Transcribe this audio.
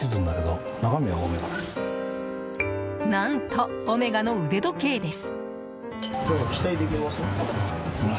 何と、オメガの腕時計です。